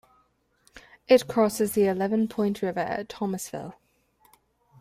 It crosses the Eleven Point River at Thomasville.